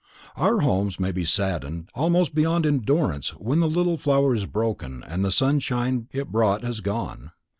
Our homes may be saddened almost beyond endurance when the little flower is broken and the sunshine it brought has gone.